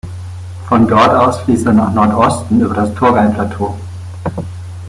Von dort aus fließt er nach Nordosten über das Turgai-Plateau.